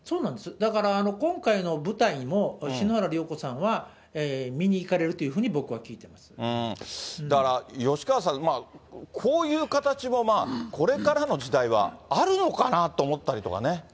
だから、今回の舞台も篠原涼子さんは見に行かれるというふうに僕は聞いてだから吉川さん、こういう形もまあ、これからの時代はあるのかなと思ったりとかね。